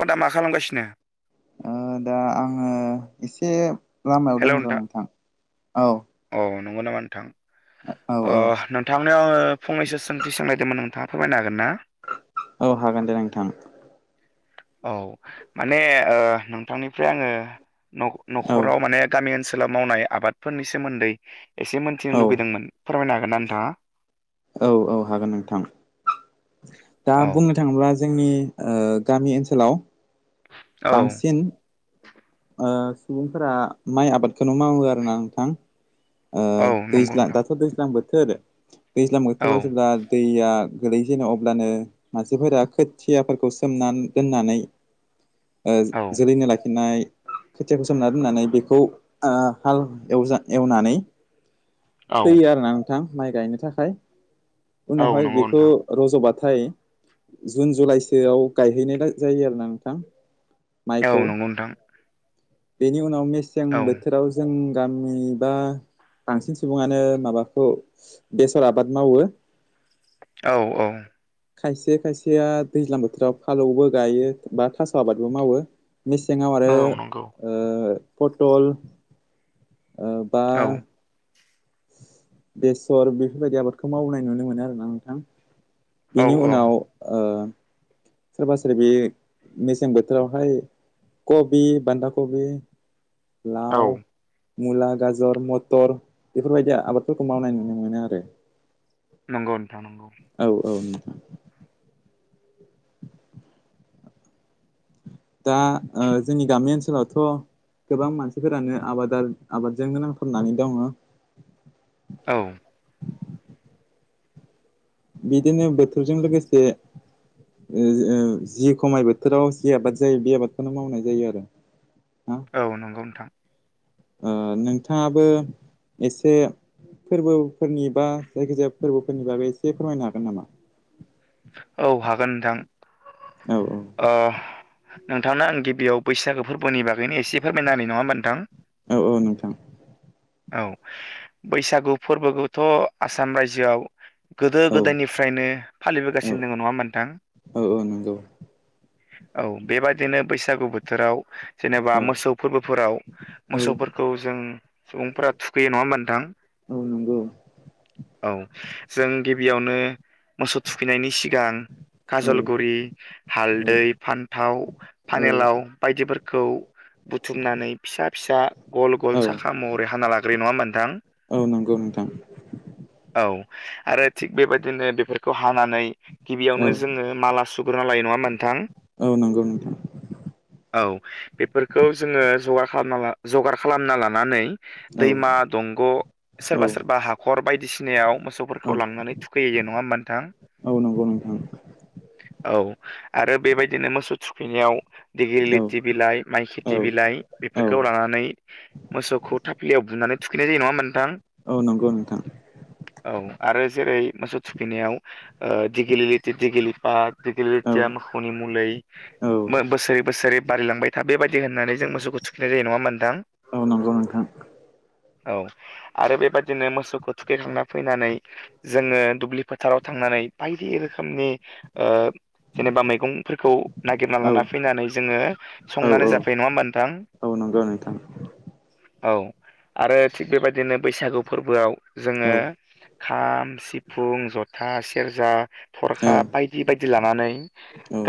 अ दा मा खालामगासिनो दा आङो एसे लामायाव दङ र नोंथां औ औ नंगौ नामा नोंथां औ औ नोंथांनियाव आङो फंनैसो सोंथि सोंनायदोंमोन नोंथाङा फोरमायनो हागोन ना औ हागोन दे नोंथां औ माने ओ नोंथांनिफ्राय आङो औ न'खराव माने गामि ओनसोलाव मावनाय आबादफोरनि सोमोन्दै एसे मोनथिनो औ लुगैदोंमोन फोरमायनो हागोन ना नोंथाङा औ औ हागोन नोंथां दा औ बुंनो थाङोब्ला जोंनि गामि ओनसोलाव औ बांसिन ओ सुबुंफोरा माइ आबादखौनो मावो आरोना नोंथां ओ औ नंगौ दैज्ला नोंथां दाथ' दैज्लां बोथोर दैज्लां औ बोथोराव जेब्ला दैया गोलै जेनो अब्लानो मानसिफोरा खोथियाफोरखौ सोमना दोननानै ओ औ जोलैनो लाखिनाय खोथियाखौ सोमना दोननानै बेखौ हाल एवज एवनानै औ फैयो आरोना नोंथां माइ गायनो थाखाय औ उनावहाय नंगौ बेखौ नोंथां रज'बाथाय जुन जुलाइसोआव गायहैनाय जायो आरोना नोंथां औ माइखौ नंगौ नोंथां बेनि उनाव मेसें औ बोथोराव जों गामि बा बांसिन सुबुङानो माबाखौ बेसर आबाद मावो औ औ खायसे खायसेया दैज्लां बोथोराव फालौबो गायो बा थास' आबादबो मावो मेसेङाव औ नंगौ आरो पटल बा औ बेसर बेफोरबायदि आबादखौ मावनाय नुनो मोनो आरोना नोंथां औ बिनि औ उनाव ओ सोरबा सोरबि मेसें बोथोरावहाय कबि बान्दा कबि ला औ मुला गाजर मटर बेफोरबायदि आबादफोरखौ मावनाय नुनो मोनो आरो नंगौ नोंथां औ औ नोंथां दा ओ जोंनि गामि ओनसोलावथ' गोबां मानसिफोरानो आबाद आबादजोंनो नांथाबनानै दङ औ बिदिनो बोथोरजों लोगोसे जि खमाय बोथोराव जि आबाद जायो बे आबादखौनो मावनाय जायो आरो ना औ नंगौ नोंथां ओ नोंथाङाबो एसे फोरबोफोरनि बा जायखिजाया फोरबोफोरनि बागै एसे फोरमायनो हागोन नामा औ हागोन नोंथां औ औ। नोंथांनो आं गिबियाव बैसागो फोरबोनि बागैनो एसे फोरमायना होनि नङा होमबा नोंथां। औ औ नोंथां। औ बैसागु फोरबोखौथ' आसाम रायजोआव गोदो औ गोदायनिफ्रायनो औ फालिबोगासिनो दङ नङा होमबा नोंथां। औ औ नंगौ। औ बेबादिनो बैसागु बोथोराव जेनेबा औ मोसौ फोरबोफोराव औ मोसौफोरखौ खौ जों सुबुंफोरा थुखैयो नङा होमबा नोंथां औ नंगौ औ। जों गिबियावनो मोसौ थुखैनायनि सिगां औ काजलगुरि हालद औ दै, फान्थाव, औ फानिलाव बायदिफोरखौ बुथुमनानै फिसा फिसा गल गल औ साखा महरै हाना लाग्रो नङा ओमबा नोंथां। औ नंगौ नोंथां। औ आरो थिग बेबायदिनो बेफोरखौ हानानै औ गिबियावनो जोङो माला सु ग्रोना लायो नङा नोंथां। औ नंगौ नोंथां। औ बेफोरखौ जोङो जगार खालामना जगार खालामना लानानै औ दैमा दंग' औ सोरबा सोरबा हाखर बायदिसिनायाव मोसौ औ गथ'फोरखौ लांनानै थुखैयो जे नङा होमबा नोंथां। औ नंगौ नोंथां औ आरो बेबायदिनो मोसौ थुखैनायाव औ दिडिलिरथि बिलाइ माइ औ खेथि बिलाइ औ बेफोरखौ लानानै मोसौखौ थाफ्लियाव बुनानै थुखैनाय जायो नङा होनबा नोंथां। औ नंगौ नोंथां। औ आरो जेरै मोसौ थुखैनायाव दिगिलि दिगिलि पा औ दिगिलिथिया मोसौनि मुलै औ बोसोरै बोसोरै बारलांबाय। दा बेबायदि होननानै जों मोसौखौ थुखैनाय जायो नङा नोंथां। औ नंगौ नोंथां औ नंगौ नोंथां औ आरो बेबायदिनो मोसौखौ थुखैखांना फैनानै जोङो दुब्लि फोथाराव थांनानै बायदि रोखोमनि जेनेबा मैगंफोरखौ नागिरना औ लाना फैनानै जोङो औ संनानै जाफै नङा होमबा नोंथां। औ नंगौ नोंथां। औ आरो थिग बेबायदिनो बैसागु फोरबोआव जोङो खाम, सिफुं, जथा, सेरजा, थरखाब बायदि बायदि लानानै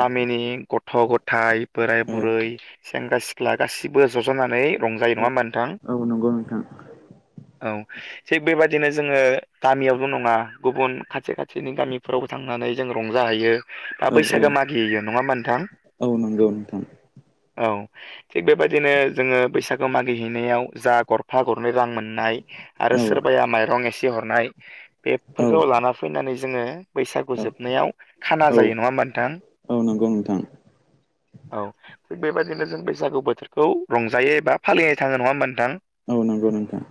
गामिनि गथ' गथाइ बोराय बुरै सेंग्रा सिख्ला गासिबो जज'नानै रंजायो नङा होमबा नोंथां। औ औ नंगौ नोंथां औ थिग बेबायदिनो जोङो गामियावल' नङा गुबुन खाथि खाथिनि गामिफोरावबो थांनानै जों रंजाहैयो। मा औ बैसागो मागियो नङा होमबा नोंथां। औ नंगौ नोंथां। औ। थिग बेबायदिनो जोङो बैसागु मागिहैनायाव जा गरफा गरनै रां मोननाय। आरो सोरबाया माइरं एसे हरनाय औ बेफोरखौ नंगौ लाना फैनानै जोङो बैसागु जोबनायाव खाना जायो नङा होमबा नोंथां। औ नंगौ नोंथां। औ। थिग बेबायदिनो जों बैसागु बोथोरखौ रंजायो एबा फालिनाय थाङो नङा होमबा नोंथां। औ नोंथां।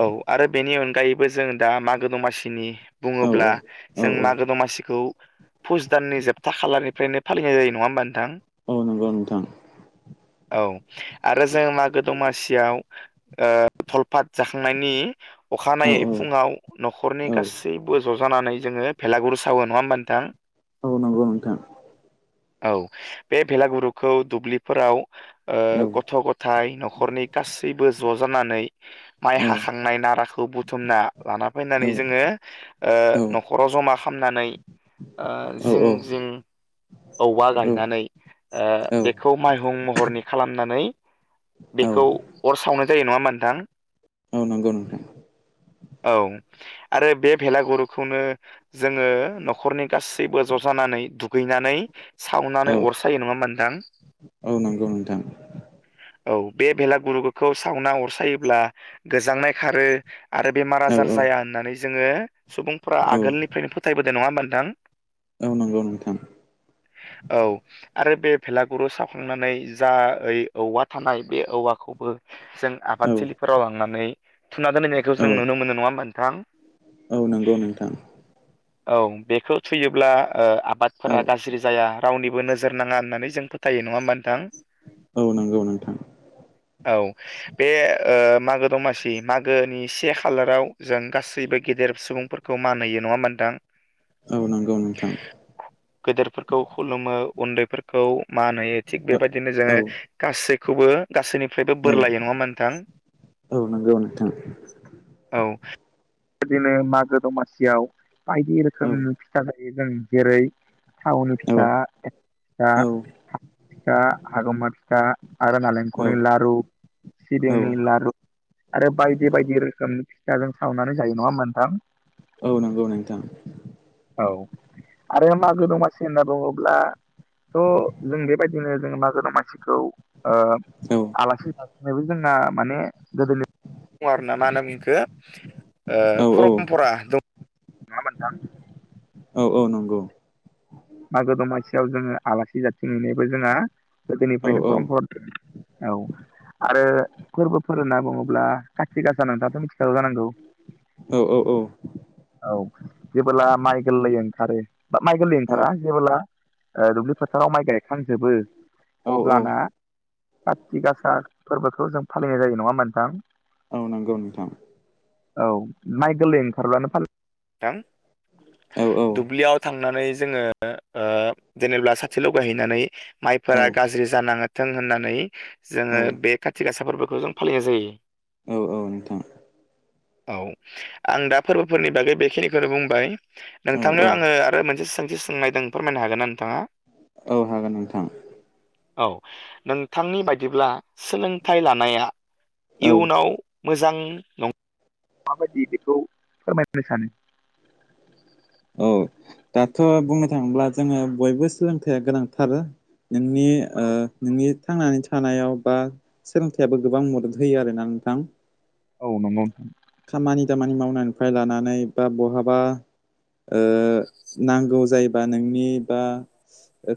औ आरो बेनि अनगायै बो जों दा मागो दमासिनि औ बुङोब्ला औ जों औ मागो दमासिखौ फुस दाननि जोबथा खालारनिफ्रायनो फालिनाय जायो नङा होमबा नोंथां। औ नंगौ नोंथां। औ आरो जों मागो दमासियाव ओ धलपात जाखांनायनि औ अखानायै फुङाव नखरनि औ गासैबो ज' जानानै जोङो भेलागुरु सावो नङा ओमबा नोंथां? औ नंगौ नोथां। औ बे भेलागुरुखौ दुब्लिफोराव ओ औ गथ' गथाइ नखरनि गासैबो ज' जानानै माइ औ हाखांनाय नाराखौ बुं थुमना लाना औ फैनानै जोङो ओ औ नखराव जमा खामनानै ओ जों जों औवा गायनानै ओ औ बेखौ माइहुं महरनि खालामनानै औ बेखौ अर सावनाय जायो नङा ओमबा नोंथां औ नंगौ नोंथां औ आरो बे भेलागुरुखौनो जोङो नखरनि गासैबो ज जानानै दुगैनानै औ सावनानै अरसायो नङा ओमबा नोंथां? औ नंगौ नोंथां। औ बे बेलागुरुखौ सावना अरसायोब्ला गोजांनाय खारो आरो बेमार औ आजार औ जाया होननानै जोङो सुबुंफोरा औ आगोलनिफ्रायनो फोथायबोदो नङा ओमबा नोंथां? औ नंगौ नोंथां। औ आरो बे भेलागुरु सावखांनानै जा ओइ औवा थानाय बे औवाखौबो जों औ आबाद थिलिफोराव लांनानै थुना दोनहैनाय खौ जों नुनो मोनो नङा ओमबा नोंथां? औ नंगौ नोंथां। औ बेखौ थुयोब्ला ओ औ आबादफोरा गाज्रि जाया रावनिबो नोजोर नाङा होननानै जों फो थायो नङा ओमबा नोंथां? औ नंगौ। नोंथां औ बे ओ मागो दमासि मागोनि से खालाराव जों गासैबो गेदेर सुबुंफोरखौ मान होयो नङा ओमबा नोंथां? औ नंगौ। नोंथां गेदेरफोरखौ खुलुमो उन्दैफोरखौ मान होयो थिग बेबायदिनो औ जोङो गासैखौबो गासैनिफ्रायबो बोर लायो नङा ओमबा नोंथां? औ नंगौ नोंथां औ बिदिनो मागो दमासियाव बायदि औ रोखोमनि फिथा जायो जों जेरै थावनि औ नंगौ नोंथां औ फिथाया फिथा हारुमा फिथा आरो नालेंखरनि लारु औ सिबिंनि लारु आरो बाय दि बायदि रोखोम फिथाजों सावनानै जायो नङा ओमबा नोंथां? औ औ नोंथां। औ आरो मागो दमासि होनना बुङोब्ला थ' जों बेबायदिनो जों मागो दमासिखौ ओ आलासि जासिनोबो जोंना माने गोदोनि दङ आरोना मा होनोमोन इखो ओ परमपरा दं नङा ओमबा नोंथां? औ औ नंगौ। मागो दमासियाव जोङो आलासि जाबथिंहैनायबो जोंहा औ गोदोनिफ्रायनो औ परमप [unintelligible] औ आरो फोरबोफोर होनना बुङोब्ला खाथि गासा नोंथाङाथ' मिथिखागौ जानांगौ? औ औ औ औ जेबोला माइ गोरलै ओंखारो बा माइ गोरलै ओं औ फोरा जेबोला दुब्लि फोथाराव माइ गायखांजोबो औ औ अब्लाना काति गासा फोरबोखौ जों फालिनाय जायो नङा होनबा नोंथां। औ नंगौ नोंथां औ माइ गोरलै ओंखारब्लानो [unintelligible] नोंथां। औ औ दुब्लियाव थांनानै जोङो ओ जेनेबा साथि लगायहैनानै औ माइफोरा गाज्रि जानाङाथों होननानै औ जोङो बे कथि गासा फोरबोखौ जों फालिनाय जायो औ औ नोंथां। औ आं दा फोरबोफोरनि बागै बेखिनिखौनो बुंबाय। औ नोंथांनो औ आङो आरो मोनसे सोंथि सोंलनायदों फोरमायनो हागोन ना नोंथांङा नंगौ नोंथां औ नोंथांनि बायदिब्ला सोलोंथाइ लानाया औ इयुनाव मोजां नंङा माबायदि बेखौ फोरमायहरनो सानो औ दाथ' बुंनो थांङोब्ला जोंङो बयबो सोलोंथाइया गोनांथार नोंनि औ नोंनि थांनानै थानायाव बा सोलोंथाइयाबो गोबां मदद होयो आरोना नोंथां औ नंगौ नोंथां खामानि दामानि मावनायनिफ्राय लानानै बा बहाबा ओ नांगौ जायोबा नोंनि बा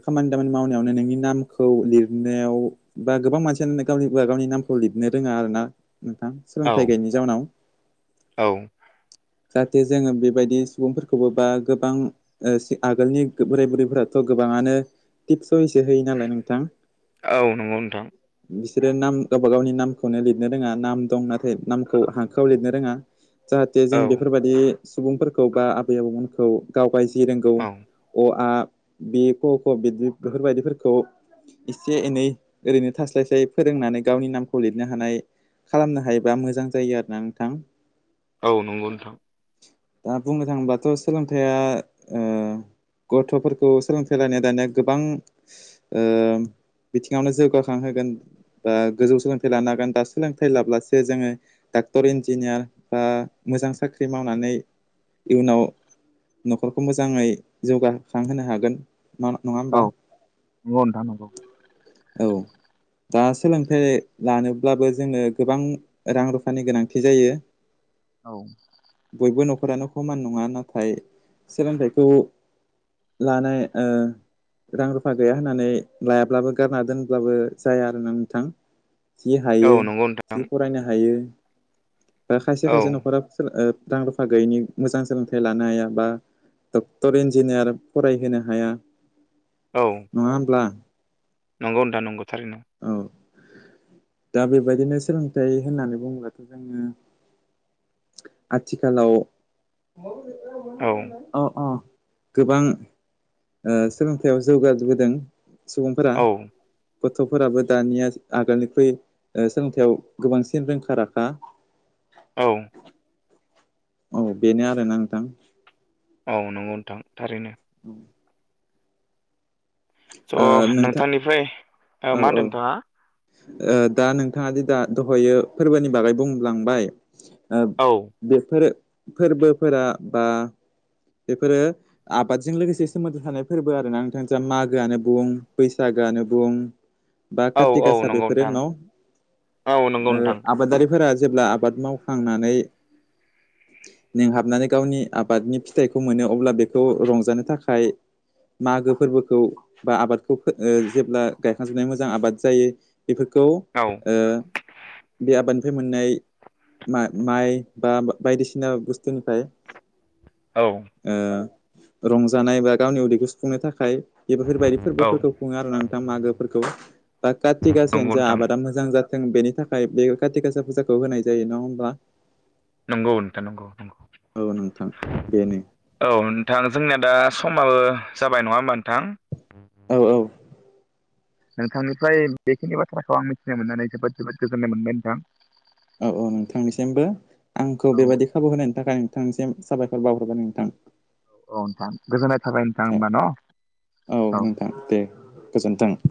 खामानि दामानि मावनायावनो नोंनि नामखौ लिरनायाव बा गोबां मानसियानो गावनिा गावनि नामखौ लिरनो रोंङा आरो ना नोंथां औ सोलोंथाइ गैयैनि जाउनाव औ जाहाथे जोंङो बेबायदि सुबुंफोरखौबो बा गोबां ओ आगोलनि बोराय बुरैफोराथ' गोबाङानो टिप सुइसो होयो नालाय नोंथां औ नंगौ नोंथां। बिसोरो नाम गावबा गावनि नामखौनो लिरनो रोङा नाम दं नाथाय नामखौ हांखोआव लिरनो रोङा जाहाथे जों औ बेफोरबायदि सुबुंफोरखौ बा आबै आबौमोनखौ गावबाय दि रोंगौ औ अ आ बे क ख बिदि बेफोरबायदिफोरखौ एसे एनै ओरैनो थास्लायस्लाय फोरोंनानै गावनि नामखौ लिरनो हानाय खालामनो हायोबा मोजां जायो आरोना नोंथां औ नंगौ नोंथां दा बुंनो थाङोबाथ' सोलोंथाइया गथ'फोरखौ सोलोंथाइ लानाया दानिया गोबां बिथिङावनो जौगाखांहोगोन ओ बा गोजौ सोलोंथाइ लानो हागोन दा सोलोंथाइ लाब्लासो जोङो डाक्टर इन्जिनियार बा मोजां साख्रि मावनानै इयुनाव न'खरखौ मोजांङै जौगाखांहोनो हागोन मा नंङा औ होमबा नंगौ नोंथां नंगौ औ दा सोलोंथाइ लानोब्लाबो जोंङो गोबां रां रुफानि गोनांथि जायो औ बयबो न'खरानो खमान नंङा नाथाय सोलोंथाइखौ लानाय ओ रां रुफा गैया होननानै लायाब्लाबो गारना दोनब्लाबो जाया आरोना नोंथां थि औ हायो नंगौ नोंथां थि फरायनो हायो खायसे औ खायसे न'खरा रां रुफा गैयिनि मोजां सोलोंथाइ लानो हायाबा डक्टर इन्जिनियार फरायहोनो हाया औ नंङा होमब्ला नंगौ नोंथां नंगौ थारैनो औ दा बेबायदिनो सोलोंथाइ होननानै बुङोब्लाथ जोङो आथिखालाव औ औ औ गोबां सोलोंथायाइयाव जौगाबोदों सुबुंफोरा औ गथ'फोराबो दानिया आगोलनिख्रुइ सोलोंथाइयाव गोबांसिन रोंखा राखा औ औ बेनो आरोना नोंथां औ नंगौ नोंथां थारैनो उम ओ स' नोंथां नोंथांनिफ्राय ओ औ मा होनदों औ नोंथाङा ओ दा नोंथाङा दि दा दहयो फोरबोनि बागै बुंलांबाय ओ औ बेफोर फोरबोफोरा बा बेफोरो आबादजों लोगोसे सोमोन्दो थानाय फोरबो आरोना नोंथां जा मागोआनो बुं बैसागोआनो बुं बा औ काति औ गासा नंगौ बेफोरो नोंथां न' औ नंगौ ओ नोंथां आबादारिफोरा जेब्ला आबाद मावखांनानै मेंहाबनानै गावनि आबादनि फिथाइखौ मोनो अब्ला बेखौ रंजानो थाखाय मागो फोरबोखौ बा आबादखौ जेब्ला गायखां जोबनाय मोजां आबाद जायो बेफोरखौ औ ओ बे आबादनिफ्राय मोननाय मा माइ बा बायदिसिना बुस्थुनिफ्राय औ ओ रंजानाय बा गावनि उदैखौ सुफुंनो थाखाय बेफोरबायदि औ फोरबोफोरखौ खुङो आरोना नोंथां मागोफोरखौ बा काति नंगौ गासायानो जा नोंथां आबादा मोजां जा जों बेनि थाखाय बे काथि गासा फुजाखौ होनाय जायो नङा ओमबा नंगौ नोंथां नंगौ नंगौ। औ नोंथां बेनो औ नोंथां जोंनिया दा समाबो जाबाय नङा ओमबा नोंथां औ औ नोंथांनिफ्राय बेखिनि बाथ्राखौ आं मिथिनो मोननानै जोबोद जोबोद गोजोननाय मोनबाय नोंथां औ औ नोंथांनिसिमबो आंखौ औ बेबायदि खाबु होनायनि थाखाय नोंथांसिम साबायखर बावहरबाय नोंथां। औ नोंथां गोजोननाय थाबाय नोंथां होमबा न' औ औ नोंथां दे गोजोन्थों।